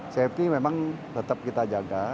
safety memang tetap kita jaga